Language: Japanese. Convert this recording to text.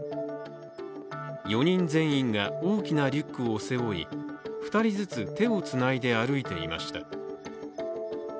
４人全員が大きなリュックを背負い２人ずつ手をつないで歩いていました。